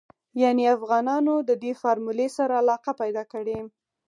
يانې افغانانو ددې فارمولې سره علاقه پيدا کړې.